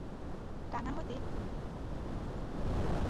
ডাঙা হইতে বীরু রায়ের পুত্রকে লইয়া গিয়াছে।